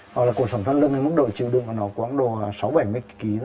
hoặc là cột sổng thoát lưng này mức độ chịu đựng của nó quán đồ sáu bảy mươi kg thôi